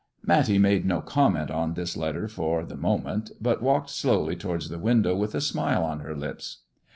" Matty made no comment on this letter for the moment, but walked slowly towards the window, with a smile on her lips.